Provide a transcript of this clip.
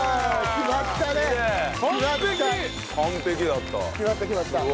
決まった決まった。